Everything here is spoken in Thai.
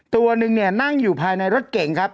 ตัวนึงเนี่ยนั่งอยู่ภายในรถเก่งครับ